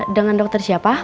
dengan dokter siapa